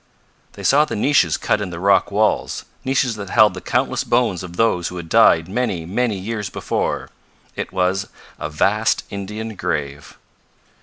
They saw the niches cut in the rock walls, niches that held the countless bones of those who had died many, many years before. It was a vast Indian grave.